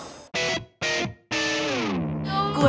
so baik lo bolak